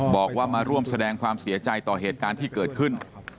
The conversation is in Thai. บอกว่ามาร่วมแสดงความเสียใจต่อเหตุการณ์ที่เกิดขึ้น